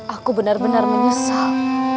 aku benar benar menyesal